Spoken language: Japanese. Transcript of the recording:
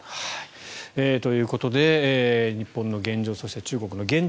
ということで日本の現状、中国の現状